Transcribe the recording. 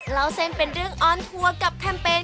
ร้อนเป็นเรื่องออนทัวร์กับคันเปรน